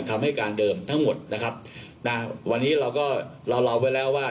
คำให้การเดิมทั้งหมดนะครับนะวันนี้เราก็เราไว้แล้วว่า